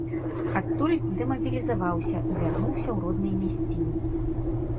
Адтуль дэмабілізаваўся і вярнуўся ў родныя мясціны.